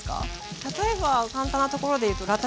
例えば簡単なところで言うとラタトゥイユ。